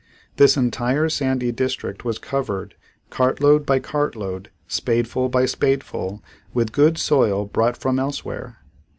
This entire sandy district was covered, "cartload by cartload, spadeful by spadeful with good soil brought from elsewhere."